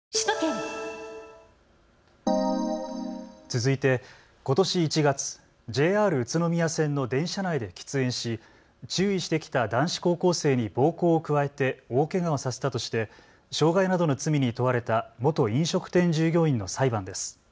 続いて、ことし１月、ＪＲ宇都宮線の電車内で喫煙し注意してきた男子高校生に暴行を加えて大けがをさせたとして傷害などの罪に問われた元飲食店従業員の裁判です。